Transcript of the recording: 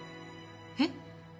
えっ？